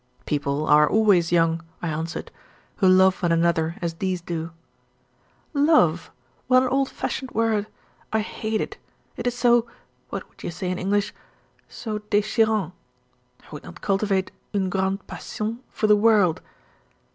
"People are always young," I answered, "who love one another as these do." "Love! what an old fashioned word. I hate it! It is so what would you say in English? so dechirant. I would not cultivate une grande passion for the world."